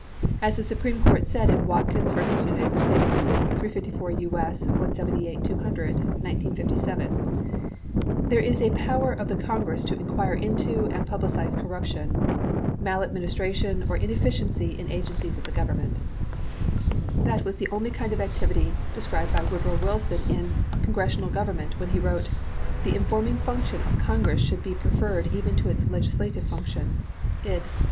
As the Supreme Court said in Watkins v. United States , 354 U.S. 178,200 (1957) : [There is a] power of the Congress to inquire into and pub licize corruption, maladministration or inefficiency in agen cies of the Government. That was the only kind of activity described by Woodrow Wilson in "Congressional Govern ment" when he wrote : "The informing function of Congress should be preferred even to its legislative function." Id